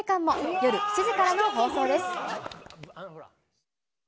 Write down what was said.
夜７時からの放送です。